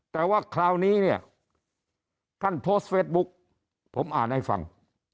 แต่ว่าคราวนี้เนี่ยท่านโพสต์เฟสบุ๊คผมอ่านให้ฟัง